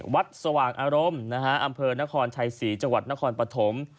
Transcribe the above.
สว่างอารมณ์นะฮะอำเภอนครชัยศรีจังหวัดนครปฐม